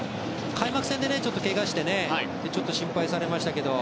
開幕戦でけがをしてねちょっと心配されましたけど。